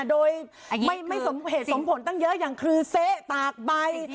โดยไม่เหตุสมผลตั้งเยอะอย่างคือเซ๊ตากใบ